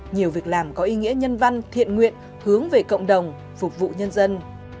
nhiều việc làm có ý nghĩa nhân văn thiện nguyện hướng về cộng đồng phục vụ nhân dân